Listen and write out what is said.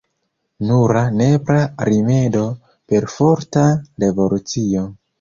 Nura nepra rimedo: perforta revolucio.